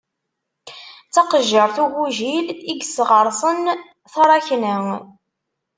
D taqejjiṛt ugujil, i yesɣeṛṣen taṛakna.